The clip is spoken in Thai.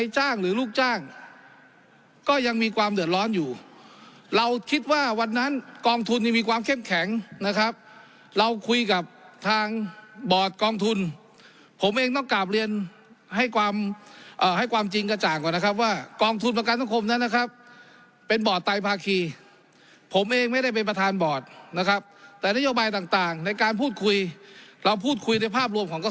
จ้างหรือลูกจ้างก็ยังมีความเดือดร้อนอยู่เราคิดว่าวันนั้นกองทุนนี่มีความเข้มแข็งนะครับเราคุยกับทางบอร์ดกองทุนผมเองต้องกลับเรียนให้ความเอ่อให้ความจริงกระจ่างก่อนนะครับว่ากองทุนประกันสังคมนั้นนะครับเป็นบอร์ดไตภาคีผมเองไม่ได้เป็นประธานบอร์ดนะครับแต่นโยบายต่างต่างในการพูดคุยเราพูดคุยในภาพรวมของก